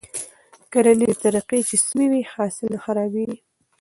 کرنيزې طريقې چې سمې وي، حاصل نه خرابېږي.